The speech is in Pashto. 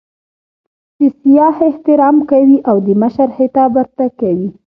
د سیاح احترام کوي او د مشر خطاب ورته کوي.